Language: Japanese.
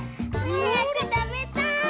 はやくたべたい！